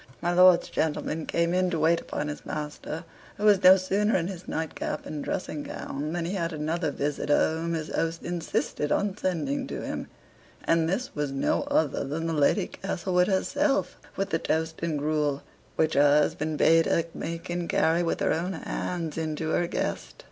My lord's gentleman came in to wait upon his master, who was no sooner in his nightcap and dressing gown than he had another visitor whom his host insisted on sending to him: and this was no other than the Lady Castlewood herself with the toast and gruel, which her husband bade her make and carry with her own hands in to her guest.